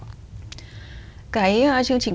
cái chương trình phát triển bền vững